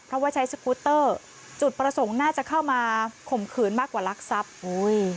เพราะว่าใช้สกูตเตอร์จุดประสงค์น่าจะเข้ามาข่มขืนมากกว่ารักทรัพย์อุ้ย